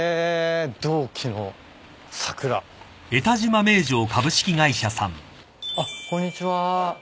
「同期の桜」あっこんにちは。